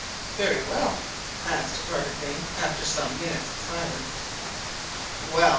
"Very well?" asked Barbicane, after some minutes' silence. "Well!"